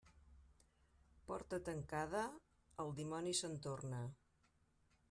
Porta tancada, el dimoni se'n torna.